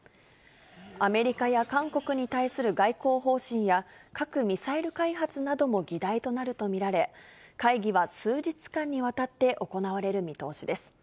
アメリカや韓国に対する外交方針や、核・ミサイル開発なども議題となると見られ、会議は数日間にわたって行われる見通しです。